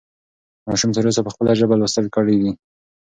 ماشوم تر اوسه په خپله ژبه لوستل کړي دي.